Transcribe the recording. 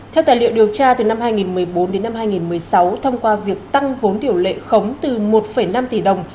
theo tài liệu điều tra từ năm hai nghìn một mươi bốn đến năm hai nghìn một mươi sáu thông qua việc tăng vốn điều lệ khống từ một năm tỷ đồng